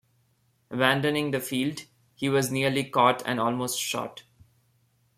Abandoning the field, he was nearly caught and almost shot.